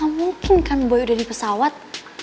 mungkin kan boy udah di pesawat